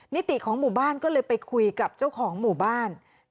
นิติของหมู่บ้านก็เลยไปคุยกับเจ้าของหมู่บ้าน